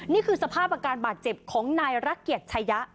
นี่คือสภาพอาการบาดเจ็บของนายรักเกียจชายะ